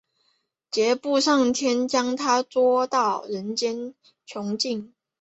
布杰上天将它捉到人间囚禁。